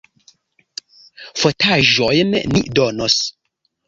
Fotaĵojn ni donos.